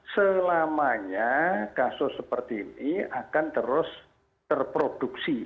selamanya kasus seperti ini akan terus terproduksi